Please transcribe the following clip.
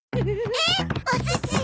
えっお寿司？